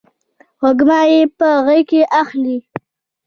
وږمه یې په غیږ کې اخلې